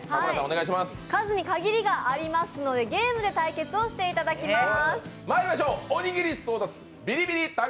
数に限りがありますので、ゲームで対決をしていただきます。